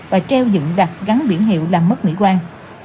và treo dựng đặt gắn biển hiệu làm mất mỹ quan